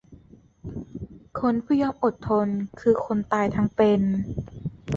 คนผู้ยอมอดทน คือคนตายทั้งเป็น